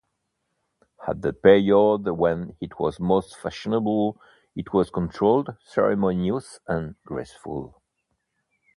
At the period when it was most fashionable it was controlled, ceremonious and graceful.